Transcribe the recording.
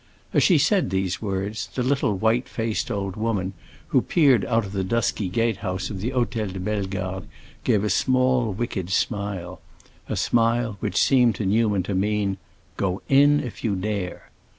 As she said these words the little white faced old woman who peered out of the dusky gate house of the Hôtel de Bellegarde gave a small wicked smile—a smile which seemed to Newman to mean, "Go in if you dare!"